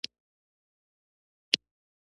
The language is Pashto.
دا مبارزه له تاوتریخوالي څخه تشه او مدني ده.